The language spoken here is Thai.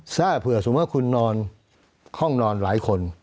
ถ้าเผื่อสมมุติว่าคุณนอนห้องนอนหลายคน